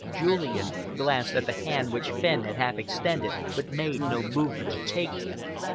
Julian glanced at the hand which Fenn had half extended but made no movement to take it.